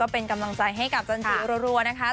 เป็นกำลังใจให้กับจันจิรัวนะคะ